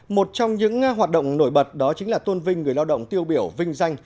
một trong những hoạt động nổi bật đó chính là tôn vinh người lao động tiêu biểu vinh danh